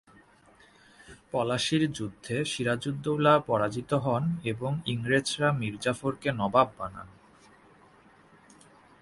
পলাশীর যুদ্ধে সিরাজউদ্দৌলা পরাজিত হন এবং ইংরেজরা মীর জাফরকে নবাব বানান।